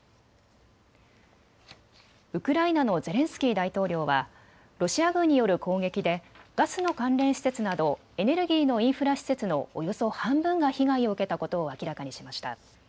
ウクライナのゼレンスキー大統領はロシア軍による攻撃でガスの関連施設などエネルギーのインフラ施設のおよそ半分が被害を受けたことを明らかにしました。